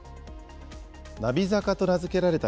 なび坂と名付けられた